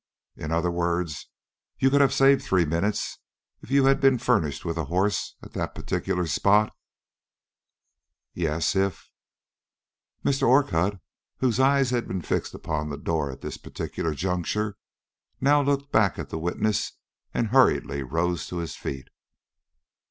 "In other words, you could have saved three minutes if you had been furnished with a horse at that particular spot?" "Yes, if." Mr. Orcutt, whose eye had been fixed upon the door at this particular juncture, now looked back at the witness and hurriedly rose to his feet.